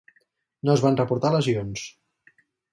No es van reportar lesions.